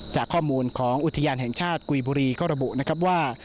จากข้อมูลของอุทยานแห่งชาติกุยบุรีก็ระบุนะครับว่า